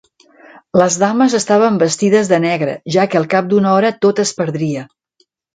Les dames estaven vestides de negre, ja que al cap d'una hora tot es perdria.